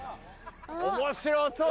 面白そう！